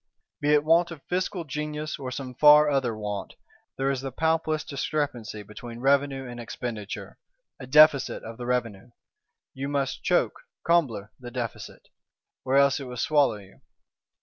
Be it "want of fiscal genius," or some far other want, there is the palpablest discrepancy between Revenue and Expenditure; a Deficit of the Revenue: you must "choke (combler) the Deficit," or else it will swallow you!